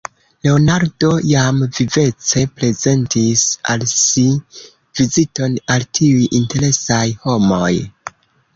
Leonardo jam vivece prezentis al si viziton al tiuj interesaj homoj.